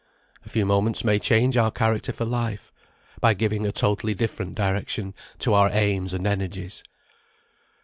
A few moments may change our character for life, by giving a totally different direction to our aims and energies.